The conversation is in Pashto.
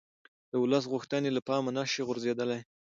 د ولس غوښتنې له پامه نه شي غورځېدلای